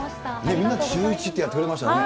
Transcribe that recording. みんな、シューイチってやってくれましたね。